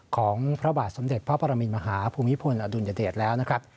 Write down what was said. ของพระบาทสมเด็จพระปรมินมหาภูมิพลอดุลยเดชแล้วนะครับ